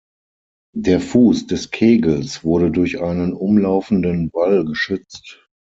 Der Fuß des Kegels wurde durch einen umlaufenden Wall geschützt.